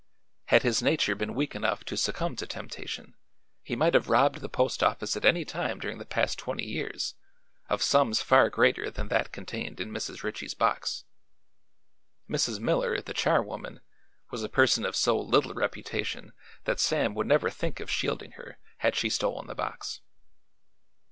Had his nature been weak enough to succumb to temptation, he might have robbed the post office at any time during the past twenty years of sums far greater than that contained in Mrs. Ritchie's box. Mrs. Miller, the charwoman, was a person of so little reputation that Sam would never think of shielding her had she stolen the box.